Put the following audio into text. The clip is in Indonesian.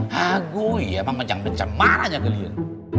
ha gue emang yang benceng marahnya kalian